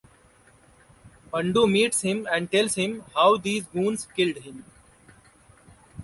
Bandu meets him and tells him how these goons killed him.